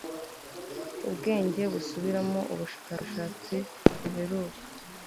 ubwenge busubiramo ubushakashatsi buheruka